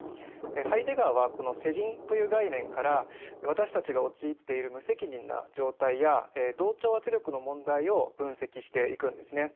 ハイデガーはこの世人という概念から私たちが陥っている無責任な状態や同調圧力の問題を分析していくんですね。